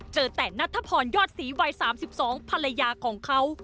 เจอแต่นัทพรยอดศรีวัย๓๒ภรรยาของเขา